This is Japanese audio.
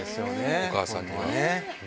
お母さんにね。